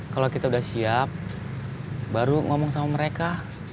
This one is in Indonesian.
kalau kita udah siap baru ngomong sama mereka